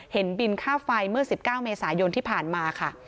เห็นบินค่าไฟเมื่อ๑๙เมษายนที่ผ่านมาค่ะ